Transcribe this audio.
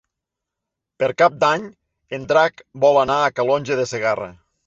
Per Cap d'Any en Drac vol anar a Calonge de Segarra.